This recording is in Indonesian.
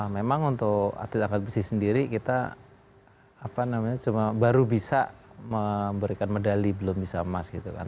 memang untuk atlet angkat besi sendiri kita baru bisa memberikan medali belum bisa emas gitu kan